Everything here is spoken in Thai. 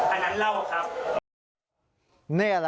อันนั้นเล่าครับ